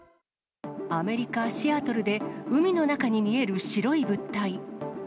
アメリカ・シアトルで、海の中に見える白い物体。